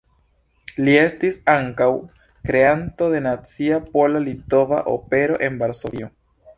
Li estis ankaŭ kreanto de nacia pola-litova opero en Varsovio.